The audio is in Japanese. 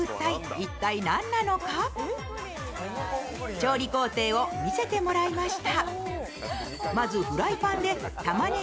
調理工程を見せてもらいました。